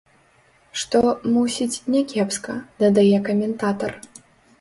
Што, мусіць, някепска, дадае каментатар.